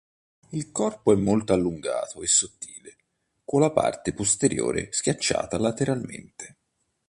Il corpo è molto allungato e sottile, con la parte posteriore schiacciata lateralmente.